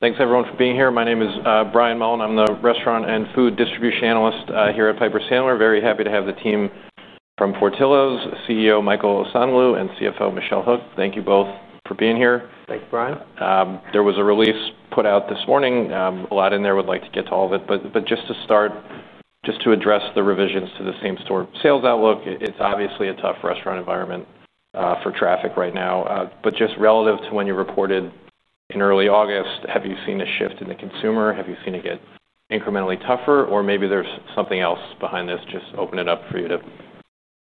Thanks everyone for being here. My name is Brian Mullen. I'm the Restaurant and Food Distribution Analyst here at Piper Sandler. Very happy to have the team from Portillo's, CEO Michael Osanloo and CFO Michelle Hook. Thank you both for being here. Thanks, Brian. There was a release put out this morning. A lot in there. I would like to get to all of it, but just to start, just to address the revisions to the same-store sales outlook. It's obviously a tough restaurant environment for traffic right now. Just relative to when you reported in early August, have you seen a shift in the consumer? Have you seen it get incrementally tougher? Maybe there's something else behind this. Just open it up for you to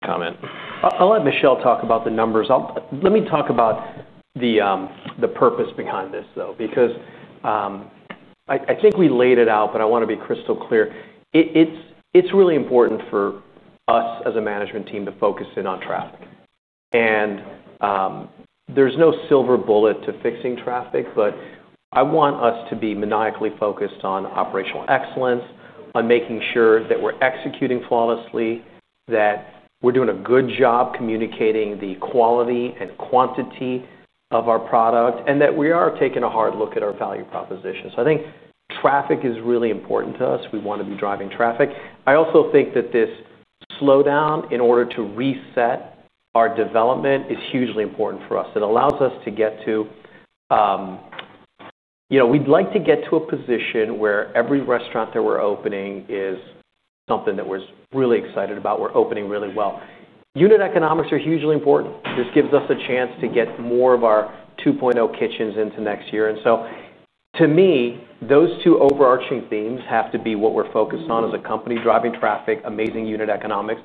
comment. I'll let Michelle talk about the numbers. Let me talk about the purpose behind this, though, because I think we laid it out, but I want to be crystal clear. It's really important for us as a management team to focus in on traffic. There's no silver bullet to fixing traffic, but I want us to be maniacally focused on operational excellence, on making sure that we're executing flawlessly, that we're doing a good job communicating the quality and quantity of our product, and that we are taking a hard look at our value proposition. I think traffic is really important to us. We want to be driving traffic. I also think that this slowdown in order to reset our development is hugely important for us. It allows us to get to, you know, we'd like to get to a position where every restaurant that we're opening is something that we're really excited about. We're opening really well. Unit economics are hugely important. This gives us a chance to get more of our 2.0 kitchens into next year. To me, those two overarching themes have to be what we're focused on as a company: driving traffic, amazing unit economics.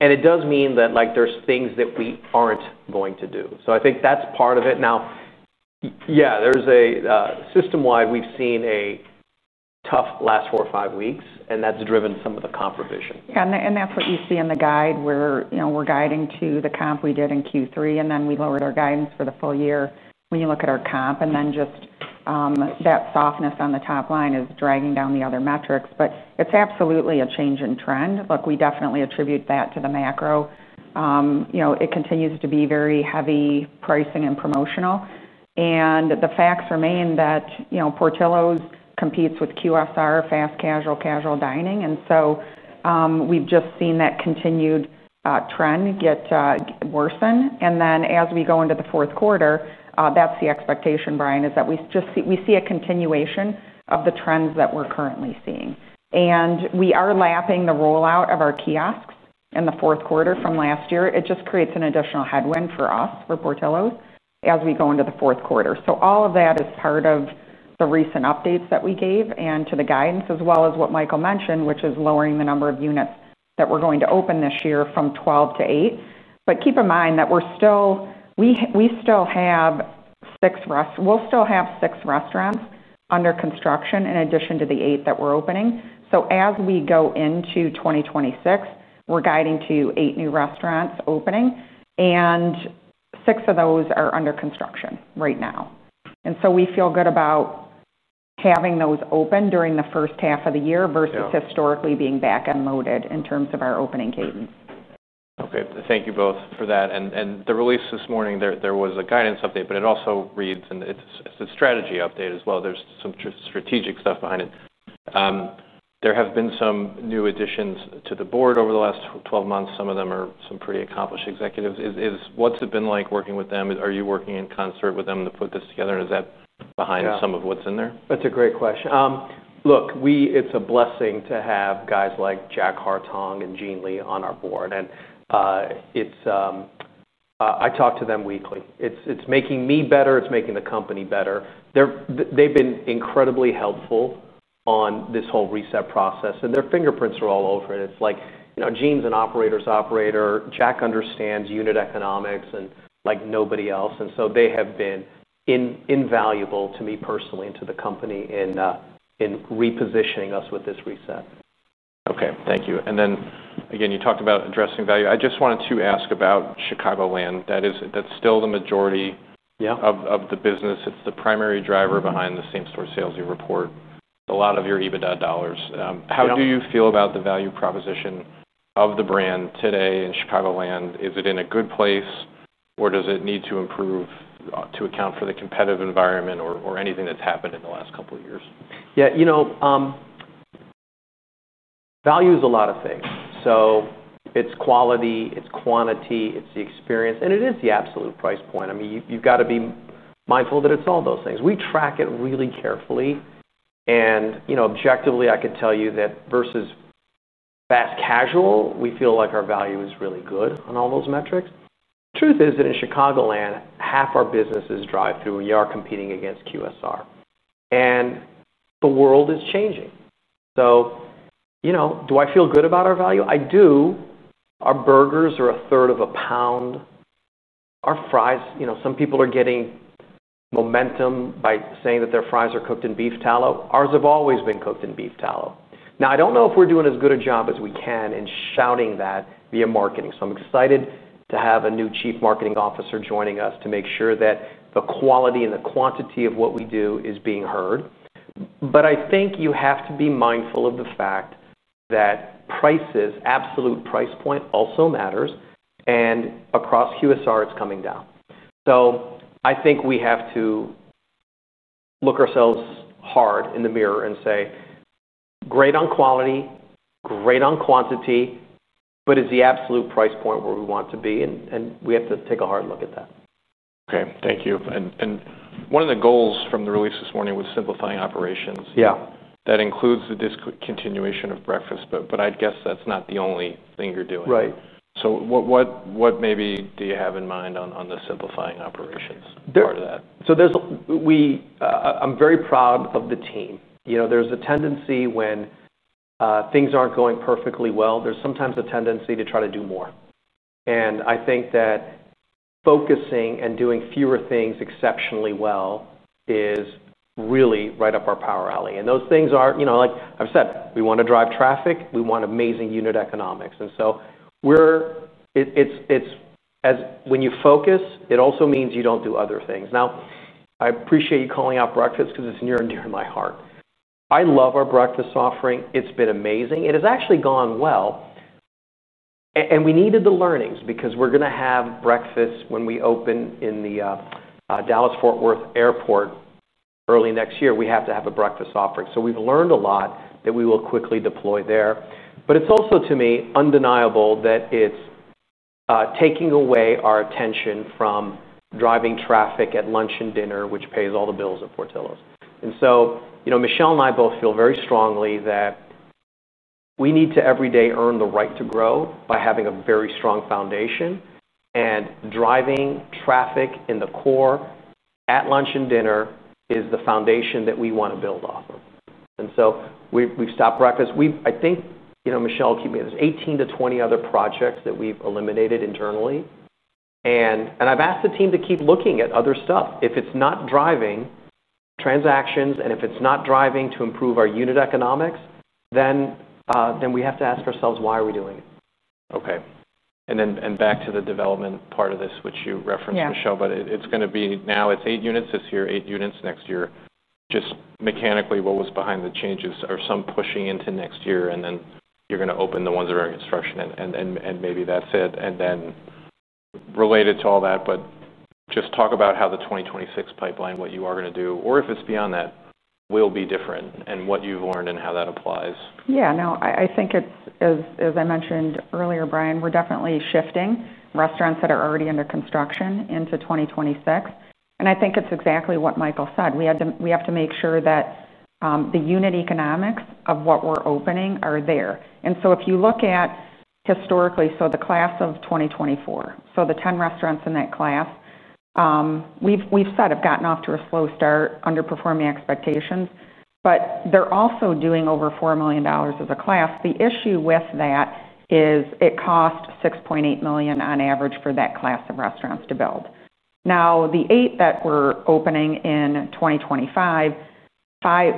It does mean that, like, there's things that we aren't going to do. I think that's part of it. Now, yeah, there's a system-wide we've seen a tough last four or five weeks, and that's driven some of the comp revision. That's what you see in the guide where, you know, we're guiding to the comp we did in Q3, and then we lowered our guidance for the full year when you look at our comp. Just that softness on the top line is dragging down the other metrics. It's absolutely a change in trend. Look, we definitely attribute that to the macro. You know, it continues to be very heavy pricing and promotional. The facts remain that, you know, Portillo's competes with QSR, fast casual, casual dining. We've just seen that continued trend get worsened. As we go into the fourth quarter, that's the expectation, Brian, that we just see a continuation of the trends that we're currently seeing. We are lapping the rollout of our kiosks in the fourth quarter from last year. It just creates an additional headwind for us, for Portillo's, as we go into the fourth quarter. All of that is part of the recent updates that we gave to the guidance, as well as what Michael mentioned, which is lowering the number of units that we're going to open this year from 12 to 8. Keep in mind that we still have six, we'll still have six restaurants under construction in addition to the eight that we're opening. As we go into 2026, we're guiding to eight new restaurants opening, and six of those are under construction right now. We feel good about having those open during the first half of the year versus historically being back and loaded in terms of our opening cadence. Okay. Thank you both for that. In the release this morning, there was a guidance update, but it also reads, and it's a strategy update as well. There's some strategic stuff behind it. There have been some new additions to the board over the last 12 months. Some of them are some pretty accomplished executives. What's it been like working with them? Are you working in concert with them to put this together? Is that behind some of what's in there? That's a great question. Look, it's a blessing to have guys like Jack Hartung and Gene Lee on our board. I talk to them weekly. It's making me better, it's making the company better. They've been incredibly helpful on this whole reset process, and their fingerprints are all over it. Gene's an operator's operator. Jack understands unit economics like nobody else. They have been invaluable to me personally and to the company in repositioning us with this reset. Okay. Thank you. You talked about addressing value. I just wanted to ask about Chicagoland. That is still the majority of the business. It's the primary driver behind the same-store sales you report, a lot of your EBITDA dollars. How do you feel about the value proposition of the brand today in Chicagoland? Is it in a good place or does it need to improve to account for the competitive environment or anything that's happened in the last couple of years? Yeah, you know, value is a lot of things. It’s quality, it’s quantity, it’s the experience, and it is the absolute price point. I mean, you’ve got to be mindful that it’s all those things. We track it really carefully. Objectively, I could tell you that versus fast casual, we feel like our value is really good on all those metrics. The truth is that in Chicagoland, half our business is drive-through. We are competing against QSR, and the world is changing. Do I feel good about our value? I do. Our burgers are a third of a pound. Our fries, you know, some people are getting momentum by saying that their fries are cooked in beef tallow. Ours have always been cooked in beef tallow. I don’t know if we’re doing as good a job as we can in shouting that via marketing. I’m excited to have a new Chief Marketing Officer joining us to make sure that the quality and the quantity of what we do is being heard. I think you have to be mindful of the fact that prices, absolute price point also matters. Across QSR, it’s coming down. I think we have to look ourselves hard in the mirror and say, great on quality, great on quantity, but is the absolute price point where we want to be? We have to take a hard look at that. Okay. Thank you. One of the goals from the release this morning was simplifying operations. Yeah. That includes the discontinuation of breakfast. I'd guess that's not the only thing you're doing. Right. What maybe do you have in mind on the simplifying operations part of that? I'm very proud of the team. You know, there's a tendency when things aren't going perfectly well, there's sometimes a tendency to try to do more. I think that focusing and doing fewer things exceptionally well is really right up our power alley. Those things are, you know, like I've said, we want to drive traffic. We want amazing unit economics. When you focus, it also means you don't do other things. I appreciate you calling out breakfast because it's near and dear to my heart. I love our breakfast offering. It's been amazing. It has actually gone well. We needed the learnings because we're going to have breakfast when we open in the Dallas-Fort Worth Airport early next year. We have to have a breakfast offering. We've learned a lot that we will quickly deploy there. It's also to me undeniable that it's taking away our attention from driving traffic at lunch and dinner, which pays all the bills at Portillo's. Michelle and I both feel very strongly that we need to every day earn the right to grow by having a very strong foundation. Driving traffic in the core at lunch and dinner is the foundation that we want to build off of. We've stopped breakfast. Michelle, keep me at this, 18 to 20 other projects that we've eliminated internally. I've asked the team to keep looking at other stuff. If it's not driving transactions, and if it's not driving to improve our unit economics, then we have to ask ourselves, why are we doing it? Okay. Back to the development part of this, which you referenced, Michelle, it's going to be now, it's eight units this year, eight units next year. Just mechanically, what was behind the changes? Are some pushing into next year? You're going to open the ones that are in construction, and maybe that's it. Related to all that, just talk about how the 2026 pipeline, what you are going to do, or if it's beyond that, will be different and what you've learned and how that applies. Yeah, no, I think it's, as I mentioned earlier, Brian, we're definitely shifting restaurants that are already under construction into 2026. I think it's exactly what Michael said. We have to make sure that the unit economics of what we're opening are there. If you look at historically, so the class of 2024, so the 10 restaurants in that class, we've said have gotten off to a slow start, underperforming expectations, but they're also doing over $4 million as a class. The issue with that is it costs $6.8 million on average for that class of restaurants to build. Now, the eight that we're opening in 2025,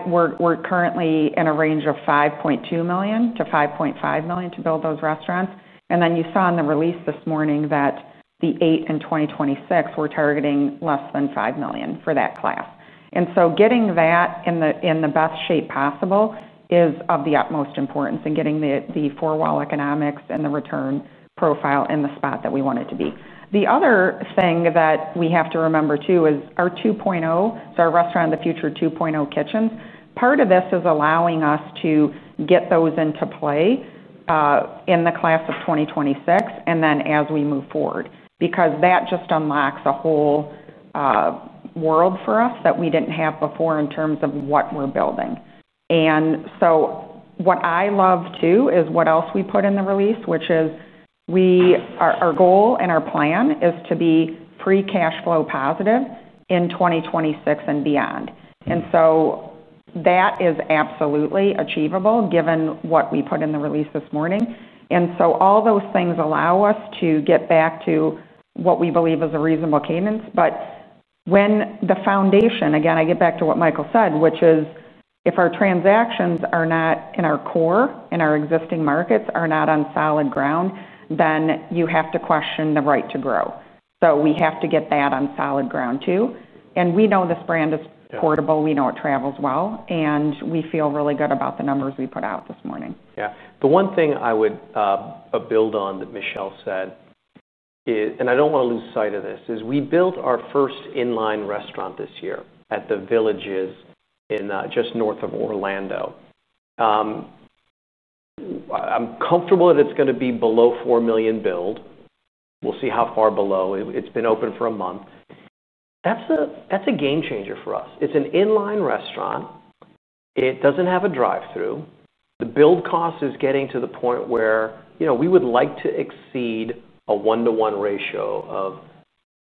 we're currently in a range of $5.2 million to $5.5 million to build those restaurants. You saw in the release this morning that the eight in 2026, we're targeting less than $5 million for that class. Getting that in the best shape possible is of the utmost importance and getting the four-wall economics and the return profile in the spot that we want it to be. The other thing that we have to remember too is our 2.0, so our Restaurant of the Future 2.0 kitchens. Part of this is allowing us to get those into play in the class of 2026 and then as we move forward, because that just unlocks a whole world for us that we didn't have before in terms of what we're building. What I love too is what else we put in the release, which is our goal and our plan is to be free cash flow positive in 2026 and beyond. That is absolutely achievable given what we put in the release this morning. All those things allow us to get back to what we believe is a reasonable cadence. When the foundation, again, I get back to what Michael said, which is if our transactions are not in our core and our existing markets are not on solid ground, then you have to question the right to grow. We have to get that on solid ground too. We know this brand is portable. We know it travels well. We feel really good about the numbers we put out this morning. Yeah. The one thing I would build on that Michelle said, and I don't want to lose sight of this, is we built our first inline restaurant this year at The Villages just north of Orlando. I'm comfortable that it's going to be below $4 million build. We'll see how far below. It's been open for a month. That's a game changer for us. It's an inline restaurant. It doesn't have a drive-through. The build cost is getting to the point where, you know, we would like to exceed a one-to-one ratio of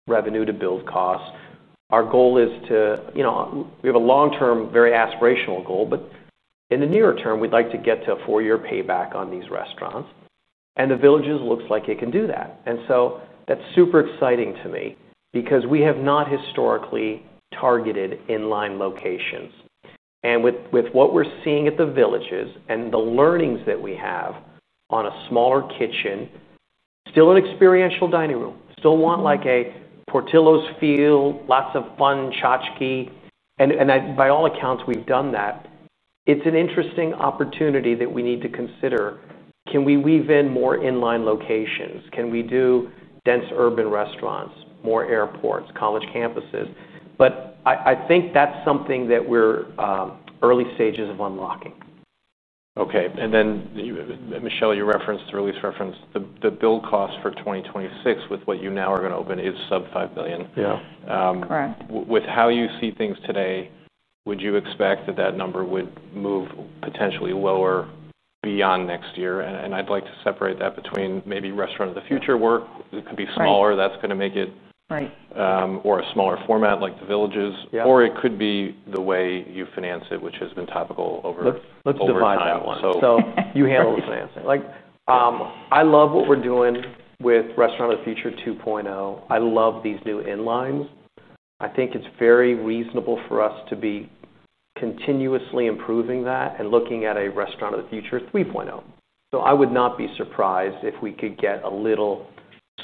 revenue to build cost. Our goal is to, you know, we have a long-term, very aspirational goal, but in the nearer term, we'd like to get to a four-year payback on these restaurants. The Villages looks like it can do that. That's super exciting to me because we have not historically targeted inline locations. With what we're seeing at The Villages and the learnings that we have on a smaller kitchen, still an experiential dining room, still want like a Portillo's feel, lots of fun tchotchke. By all accounts, we've done that. It's an interesting opportunity that we need to consider. Can we weave in more inline locations? Can we do dense urban restaurants, more airports, college campuses? I think that's something that we're in early stages of unlocking. Okay. Michelle, you referenced the release reference, the build cost for 2026 with what you now are going to open is sub $5 million. Yeah. Correct. With how you see things today, would you expect that that number would move potentially lower beyond next year? I'd like to separate that between maybe Restaurant of the Future work. It could be smaller. That's going to make it right or a smaller format like The Villages. It could be the way you finance it, which has been topical over the last month. Let's divide that one. You handle the financing. I love what we're doing with Restaurant of the Future 2.0. I love these new inlines. I think it's very reasonable for us to be continuously improving that and looking at a Restaurant of the Future 3.0. I would not be surprised if we could get a little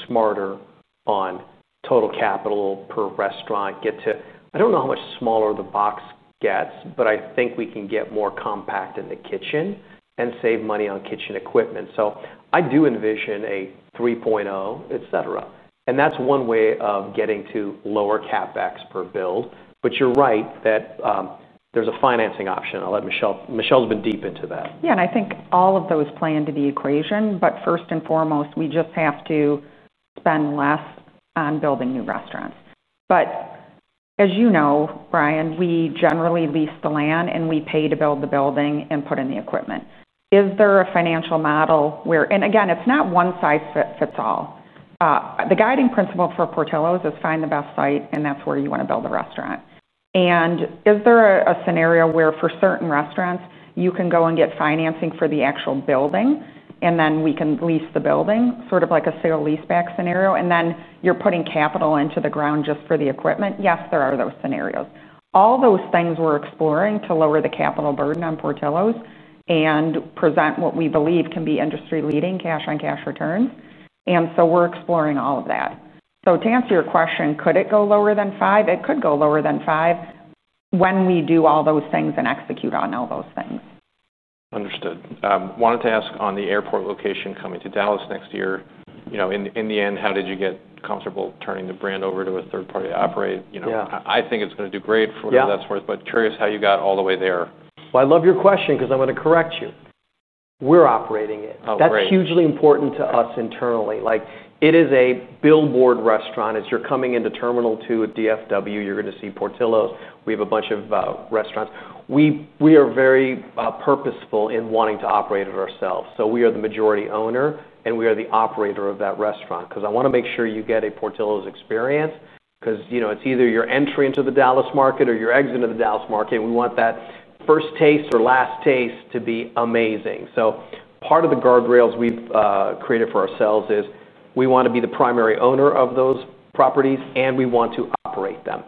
smarter on total capital per restaurant. Get to, I don't know how much smaller the box gets, but I think we can get more compact in the kitchen and save money on kitchen equipment. I do envision a 3.0, et cetera. That's one way of getting to lower CapEx per build. You're right that there's a financing option. I'll let Michelle, Michelle's been deep into that. Yeah. I think all of those play into the equation. First and foremost, we just have to spend less on building new restaurants. As you know, Brian, we generally lease the land and we pay to build the building and put in the equipment. Is there a financial model where, again, it's not one size fits all. The guiding principle for Portillo's is find the best site, and that's where you want to build a restaurant. Is there a scenario where for certain restaurants you can go and get financing for the actual building, and then we can lease the building, sort of like a sale-leaseback scenario, and then you're putting capital into the ground just for the equipment? Yes, there are those scenarios. All those things we're exploring to lower the capital burden on Portillo's and present what we believe can be industry-leading cash-on-cash returns. We're exploring all of that. To answer your question, could it go lower than $5 million? It could go lower than $5 million when we do all those things and execute on all those things. Understood. I wanted to ask on the airport location coming to Dallas next year, in the end, how did you get comfortable turning the brand over to a third party to operate? I think it's going to do great for what that's worth, but curious how you got all the way there. I love your question because I'm going to correct you. We're operating it. That's hugely important to us internally. It is a billboard restaurant. As you're coming into Terminal 2 at DFW, you're going to see Portillo's. We have a bunch of restaurants. We are very purposeful in wanting to operate it ourselves. We are the majority owner, and we are the operator of that restaurant because I want to make sure you get a Portillo's experience because, you know, it's either your entry into the Dallas market or your exit into the Dallas market. We want that first taste or last taste to be amazing. Part of the guardrails we've created for ourselves is we want to be the primary owner of those properties, and we want to operate them.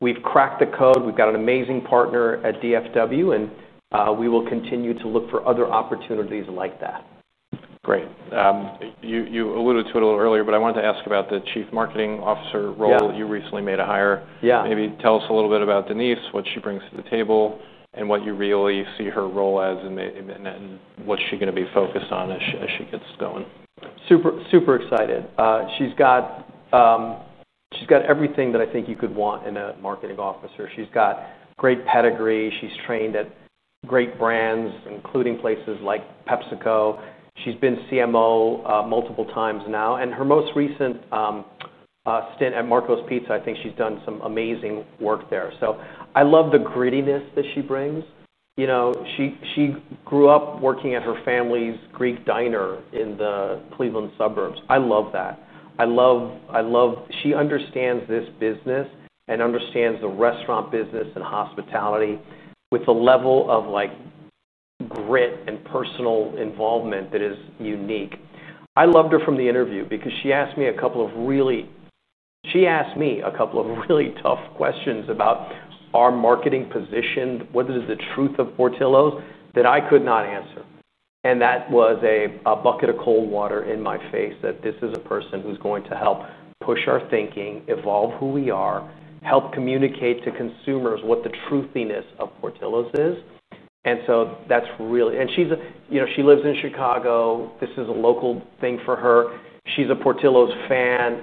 We've cracked the code. We've got an amazing partner at DFW, and we will continue to look for other opportunities like that. Great. You alluded to it a little earlier, but I wanted to ask about the Chief Marketing Officer role that you recently made a hire. Yeah. Maybe tell us a little bit about Denise, what she brings to the table, what you really see her role as, and what she's going to be focused on as she gets going? Super, super excited. She's got everything that I think you could want in a marketing officer. She's got great pedigree. She's trained at great brands, including places like PepsiCo. She's been CMO multiple times now. Her most recent stint at Marco’s Pizza, I think she's done some amazing work there. I love the grittiness that she brings. She grew up working at her family's Greek diner in the Cleveland suburbs. I love that. I love, I love she understands this business and understands the restaurant business and hospitality with a level of grit and personal involvement that is unique. I loved her from the interview because she asked me a couple of really tough questions about our marketing position, what is the truth of Portillo's that I could not answer. That was a bucket of cold water in my face that this is a person who's going to help push our thinking, evolve who we are, help communicate to consumers what the truthiness of Portillo's is. She's a, you know, she lives in Chicago. This is a local thing for her. She's a Portillo's fan.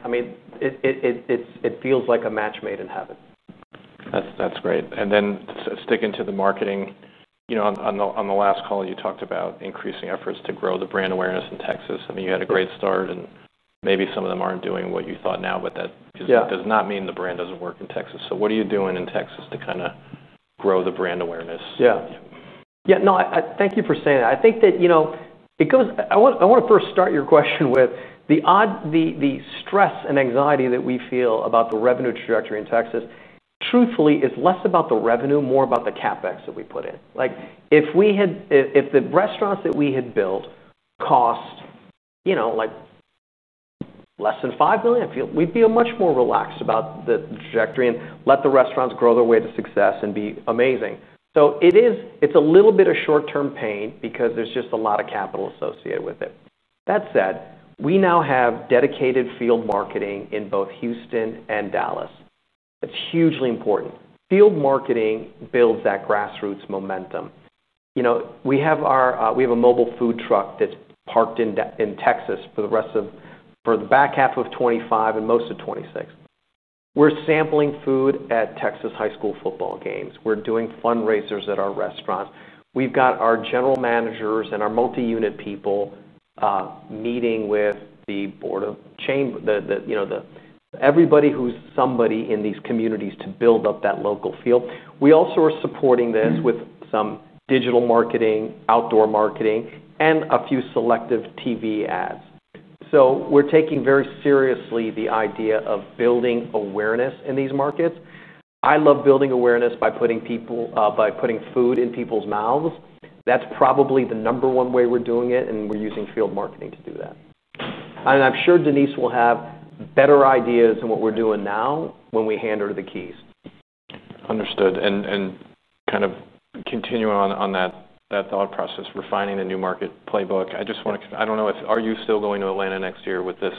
It feels like a match made in heaven. That's great. Sticking to the marketing, you know, on the last call, you talked about increasing efforts to grow the brand awareness in Texas. I mean, you had a great start and maybe some of them aren't doing what you thought now, but that does not mean the brand doesn't work in Texas. What are you doing in Texas to kind of grow the brand awareness? Yeah. No, thank you for saying that. I think that, you know, I want to first start your question with the stress and anxiety that we feel about the revenue trajectory in Texas. Truthfully, it's less about the revenue, more about the CapEx that we put in. Like if we had, if the restaurants that we had built cost, you know, like less than $5 million, we'd be much more relaxed about the trajectory and let the restaurants grow their way to success and be amazing. It is a little bit of short-term pain because there's just a lot of capital associated with it. That said, we now have dedicated field marketing in both Houston and Dallas. That's hugely important. Field marketing builds that grassroots momentum. We have a mobile food truck that's parked in Texas for the back half of 2025 and most of 2026. We're sampling food at Texas high school football games. We're doing fundraisers at our restaurants. We've got our general managers and our multi-unit people meeting with the board of chambers, you know, everybody who's somebody in these communities to build up that local field. We also are supporting this with some digital marketing, outdoor marketing, and a few selective TV ads. We are taking very seriously the idea of building awareness in these markets. I love building awareness by putting food in people's mouths. That's probably the number one way we're doing it, and we're using field marketing to do that. I'm sure Denise will have better ideas than what we're doing now when we hand her the keys. Understood. Kind of continuing on that thought process, refining the new market playbook. I just want to, are you still going to Atlanta next year with this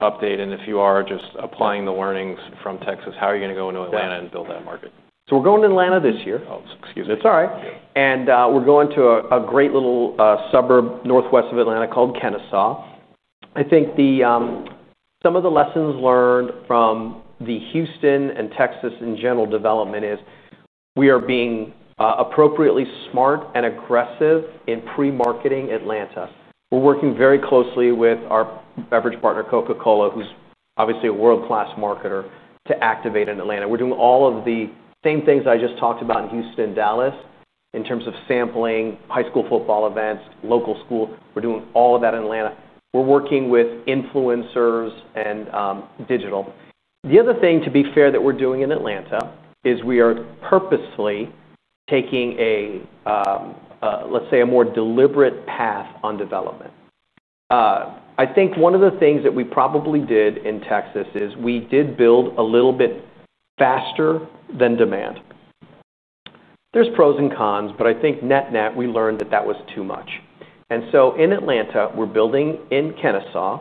update? If you are, just applying the learnings from Texas, how are you going to go into Atlanta and build that market? We're going to Atlanta this year. It's all right. We're going to a great little suburb northwest of Atlanta called Kennesaw. I think some of the lessons learned from the Houston and Texas in general development is we are being appropriately smart and aggressive in pre-marketing Atlanta. We're working very closely with our beverage partner, Coca-Cola, who's obviously a world-class marketer to activate in Atlanta. We're doing all of the same things I just talked about in Houston and Dallas in terms of sampling high school football events, local school. We're doing all of that in Atlanta. We're working with influencers and digital. The other thing, to be fair, that we're doing in Atlanta is we are purposely taking a, let's say, a more deliberate path on development. I think one of the things that we probably did in Texas is we did build a little bit faster than demand. There are pros and cons, but I think net-net, we learned that that was too much. In Atlanta, we're building in Kennesaw,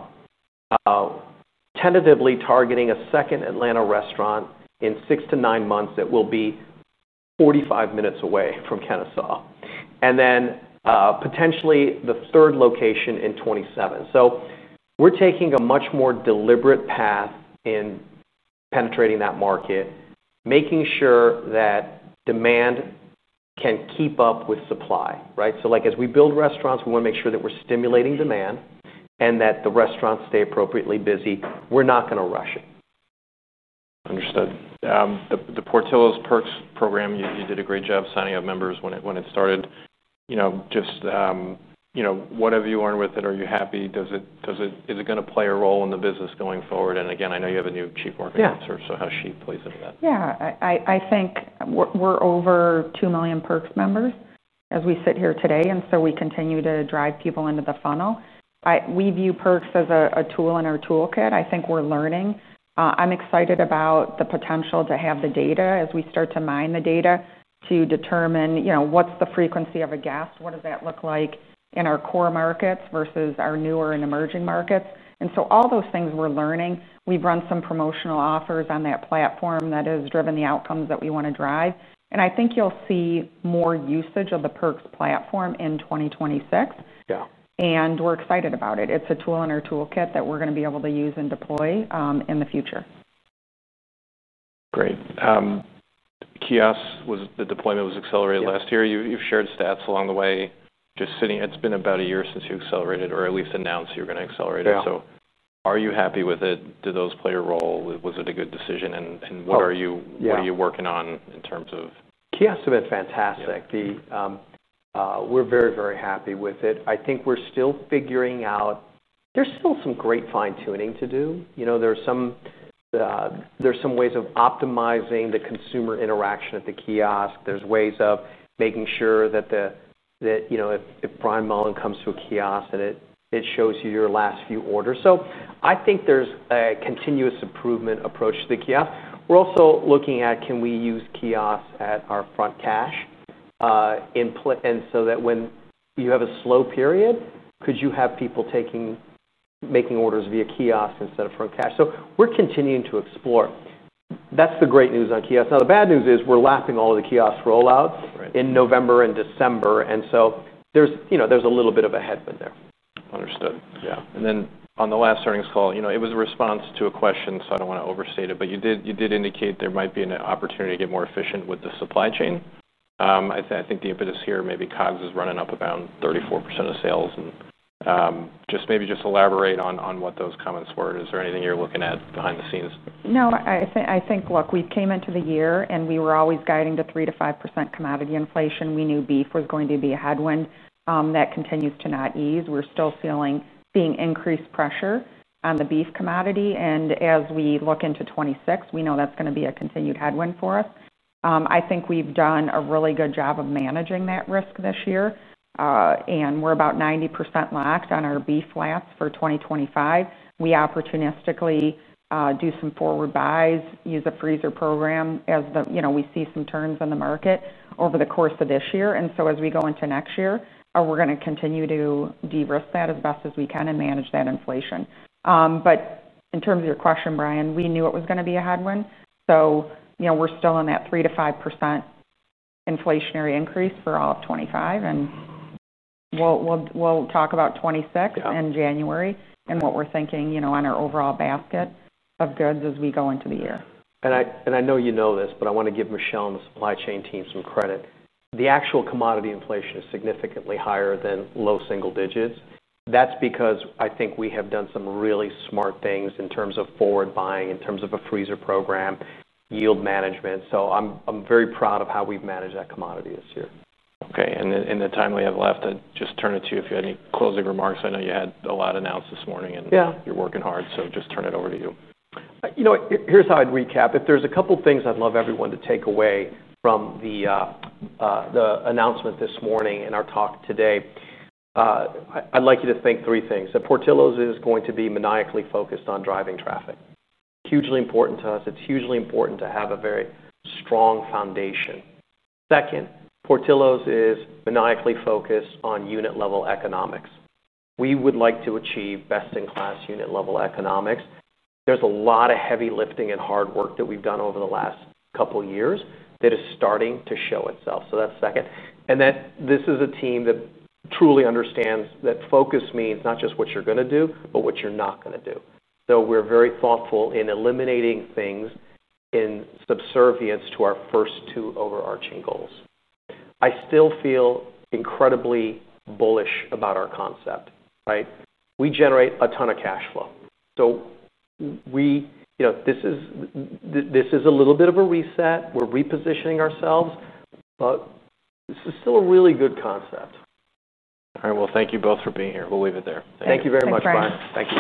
tentatively targeting a second Atlanta restaurant in six to nine months that will be 45 minutes away from Kennesaw, and then potentially the third location in 2027. We're taking a much more deliberate path in penetrating that market, making sure that demand can keep up with supply. Right? As we build restaurants, we want to make sure that we're stimulating demand and that the restaurants stay appropriately busy. We're not going to rush it. Understood. The Portillo’s Perks program, you did a great job signing up members when it started. What have you earned with it? Are you happy? Does it, is it going to play a role in the business going forward? I know you have a new Chief Marketing Officer, so how she plays into that. Yeah, I think we're over 2 million Perks members as we sit here today, and we continue to drive people into the funnel. We view Perks as a tool in our toolkit. I think we're learning. I'm excited about the potential to have the data as we start to mine the data to determine, you know, what's the frequency of a guest, what does that look like in our core markets versus our newer and emerging markets. All those things we're learning, we've run some promotional offers on that platform that has driven the outcomes that we want to drive. I think you'll see more usage of the Perks platform in 2026. Yeah, and we're excited about it. It's a tool in our toolkit that we're going to be able to use and deploy in the future. Great. Kiosk was the deployment that was accelerated last year. You've shared stats along the way. Just sitting, it's been about a year since you accelerated, or at least announced you're going to accelerate it. Are you happy with it? Did those play a role? Was it a good decision? What are you working on in terms of? Kiosk has been fantastic. We're very, very happy with it. I think we're still figuring out, there's still some great fine-tuning to do. There's some ways of optimizing the consumer interaction at the kiosk. There's ways of making sure that, you know, if Brian Mullen comes to a kiosk and it shows you your last few orders. I think there's a continuous improvement approach to the kiosk. We're also looking at, can we use kiosks at our front cash? That way, when you have a slow period, could you have people making orders via kiosk instead of front cash? We're continuing to explore. That's the great news on kiosks. The bad news is we're lapping all of the kiosk rollouts in November and December, and there's a little bit of a headwind there. Understood. Yeah. On the last earnings call, it was a response to a question, so I don't want to overstate it, but you did indicate there might be an opportunity to get more efficient with the supply chain. I think the impetus here, maybe COGS is running up about 34% of sales. Maybe just elaborate on what those comments were. Is there anything you're looking at behind the scenes? No, I think, look, we came into the year and we were always guiding to 3% to 5% commodity inflation. We knew beef was going to be a headwind that continues to not ease. We're still feeling increased pressure on the beef commodity. As we look into 2026, we know that's going to be a continued headwind for us. I think we've done a really good job of managing that risk this year. We're about 90% locked on our beef lots for 2025. We opportunistically do some forward buys, use a freezer program as we see some turns in the market over the course of this year. As we go into next year, we're going to continue to de-risk that as best as we can and manage that inflation. In terms of your question, Brian, we knew it was going to be a headwind. We're still in that 3% to 5% inflationary increase for all of 2025. We'll talk about 2026 in January and what we're thinking on our overall basket of goods as we go into the year. I know you know this, but I want to give Michelle and the Supply Chain team some credit. The actual commodity inflation is significantly higher than low single digits. That is because I think we have done some really smart things in terms of forward buying, in terms of a freezer program, yield management. I am very proud of how we've managed that commodity this year. Okay. In the time we have left, I’d just turn it to you if you had any closing remarks. I know you had a lot announced this morning and you’re working hard, so just turn it over to you. Here's how I'd recap. If there's a couple of things I'd love everyone to take away from the announcement this morning and our talk today, I'd like you to think three things. Portillo's is going to be maniacally focused on driving traffic. Hugely important to us. It's hugely important to have a very strong foundation. Second, Portillo's is maniacally focused on unit-level economics. We would like to achieve best-in-class unit-level economics. There's a lot of heavy lifting and hard work that we've done over the last couple of years that is starting to show itself. That's second. This is a team that truly understands that focus means not just what you're going to do, but what you're not going to do. We're very thoughtful in eliminating things in subservience to our first two overarching goals. I still feel incredibly bullish about our concept, right? We generate a ton of cash flow. This is a little bit of a reset. We're repositioning ourselves, but this is still a really good concept. All right. Thank you both for being here. We'll leave it there. Thank you very much, Brian. Thank you.